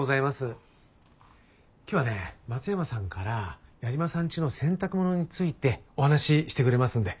今日はね松山さんから矢島さんちの洗濯物についてお話ししてくれますんで。